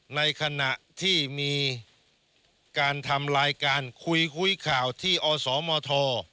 ในขณะที่มีการทำรายการคุยคุยข่าวที่อสมท